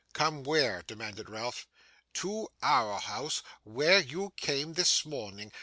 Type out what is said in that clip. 'Come where?' demanded Ralph. 'To our house, where you came this morning.